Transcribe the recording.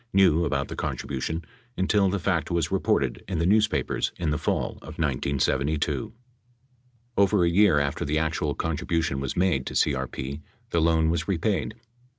knew about the contribution until the fact was reported in the newspapers in the fall of 1972. 553 Over a year after the actual contribution was made to CRP, the loan was repaid.